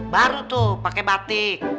baru tuh pake batik